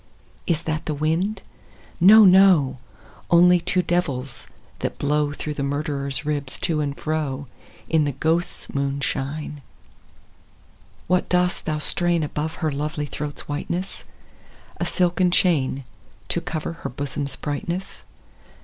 Is that the wind ? No, no ; Only two devils, that blow Through the murderer's ribs to and fro. In the ghosts' moi^ishine. THE GHOSTS* MOONSHINE, 39 III. What dost thou strain above her Lovely throat's whiteness ? A silken chain, to cover Her bosom's brightness